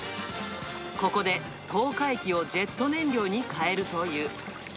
ここで糖化液をジェット燃料に変えるという。